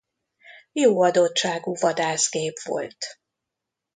Jó adottságú vadászgép volt.